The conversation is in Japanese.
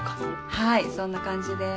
はいそんな感じで。